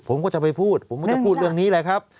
ผมก็จะไปพูดผมก็จะพูดเรื่องนี้แหละครับ